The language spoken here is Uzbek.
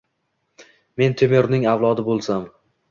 Men Temurning avlodi boʼlsam